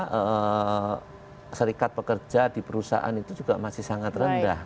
pkb dibanding jumlah serikat pekerja di perusahaan itu juga masih sangat rendah